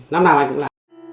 năm nào anh cũng là